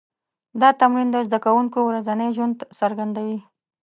دا تمرین د زده کوونکو ورځنی ژوند څرګندوي.